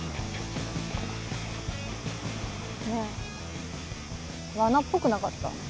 ねぇわなっぽくなかった？